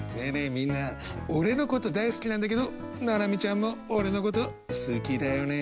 みんな俺のこと大好きなんだけどＮＡＮＡＭＩちゃんも俺のこと好きだよね？